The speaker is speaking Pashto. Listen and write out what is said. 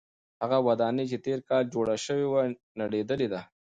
هغه ودانۍ چې تېر کال جوړه شوې وه نړېدلې ده.